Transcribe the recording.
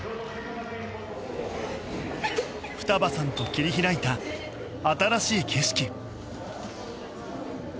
双葉さんと切り開いた新しい景色。